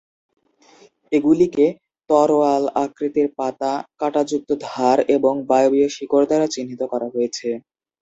এগুলিকে তরোয়াল আকৃতির পাতা, কাঁটাযুক্ত ধার এবং বায়বীয় শিকড় দ্বারা চিহ্নিত করা হয়েছে।